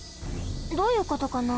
どういうことかな？